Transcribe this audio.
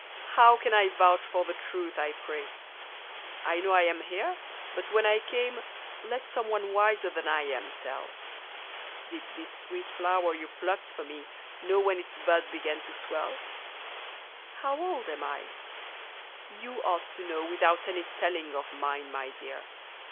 How can I vouch for the truth, I pray ? I know I am here, but when I came Let some one wiser than I am tell ! Did this sweet flower you plucked for me Know when its bud began to swell ? How old am I ? You ought to know Without any telling of mine, my dear